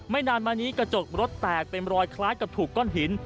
นานมานี้กระจกรถแตกเป็นรอยคล้ายกับถูกก้อนหิน